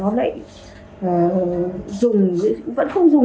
đó là sự thật đ hacker thật thiệt